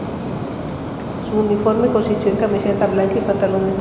Su uniforme consistió en camiseta blanca y pantalones negros.